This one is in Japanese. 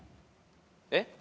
えっ？